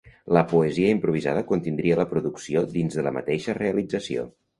La poesia improvisada contindria la producció dins de la mateixa realització.